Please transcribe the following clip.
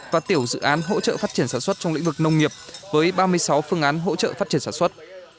và tiểu dự án hỗ trợ phát triển sản xuất trong lĩnh vực nông nghiệp với ba mươi sáu phương án hỗ trợ phát triển sản xuất